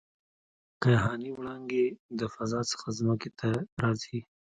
کیهاني وړانګې د فضا څخه ځمکې ته راځي.